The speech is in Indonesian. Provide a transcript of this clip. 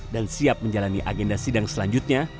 dan siap menjalani agenda sidang selanjutnya